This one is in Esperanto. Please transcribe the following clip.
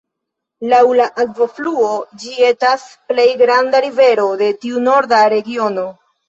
Laŭ akvofluo, ĝi etas plej granda rivero de tiu Norda regiono.